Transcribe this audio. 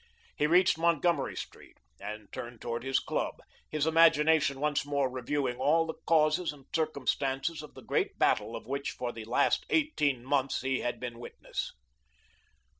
He reached Montgomery Street, and turned toward his club, his imagination once more reviewing all the causes and circumstances of the great battle of which for the last eighteen months he had been witness.